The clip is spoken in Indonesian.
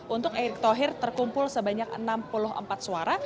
untuk erick thohir terkumpul sebanyak enam puluh empat suara